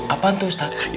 apaan tuh ustadz